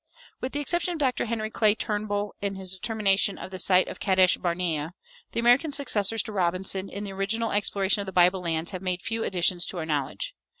With the exception of Dr. Henry Clay Trumbull in his determination of the site of Kadesh barnea, the American successors to Robinson in the original exploration of the Bible lands have made few additions to our knowledge.